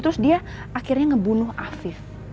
terus dia akhirnya ngebunuh afif